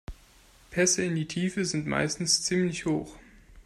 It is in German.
Pässe in die Tiefe sind meistens ziemlich hoch.